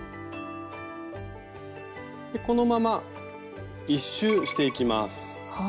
このまま１周していきます。